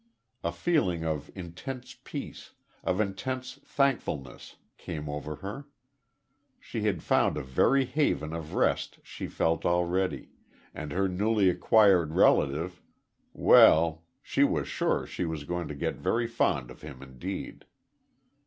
A feeling of intense peace, of intense thankfulness came over her. She had found a very haven of rest she felt already, and her newly acquired relative well she was sure she was going to get very fond of him indeed.